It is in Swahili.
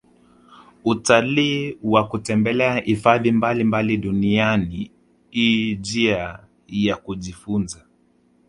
Utalii wa kutembelea hifadhi mbalimbali duniani i jia ya kujifunza